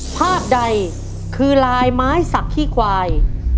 ภาพใดคือลายไม้สักขี้ควาย